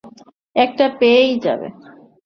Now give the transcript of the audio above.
একটা পেয়েই যাবে।